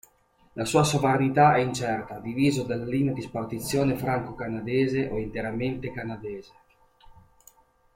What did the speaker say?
La sua sovranità è incerta: diviso dalla linea di spartizione franco-canadese o interamente canadese.